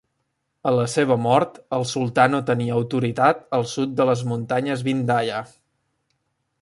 A la seva mort el sultà no tenia autoritat al sud de les muntanyes Vindhya.